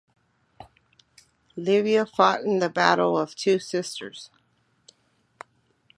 Leiva fought in the Battle of Two Sisters.